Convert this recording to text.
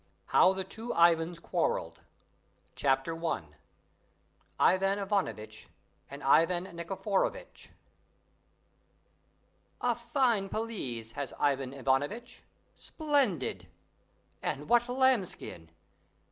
HOW THE TWO IVANS QUARRELLED CHAPTER I IVAN IVANOVITCH AND IVAN NIKIFOROVITCH A fine pelisse has Ivan Ivanovitch! splendid! And what lambskin!